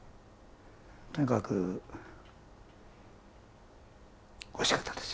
とにかくおいしかったですよ。